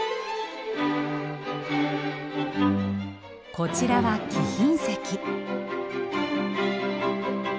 こちらは貴賓席。